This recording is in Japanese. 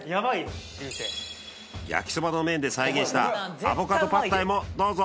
焼きそばの麺で再現したアボカドパッタイもどうぞ！